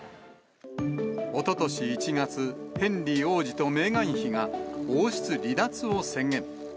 おととし１月、ヘンリー王子とメーガン妃が王室離脱を宣言。